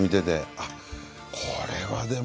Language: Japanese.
あっこれはでも。